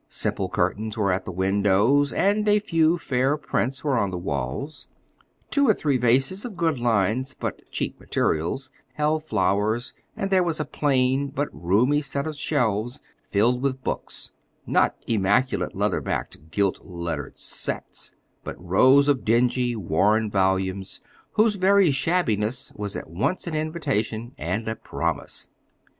Simple curtains were at the windows, and a few fair prints were on the walls. Two or three vases, of good lines but cheap materials, held flowers, and there was a plain but roomy set of shelves filled with books—not immaculate, leather backed, gilt lettered "sets" but rows of dingy, worn volumes, whose very shabbiness was at once an invitation and a promise.